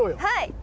はい。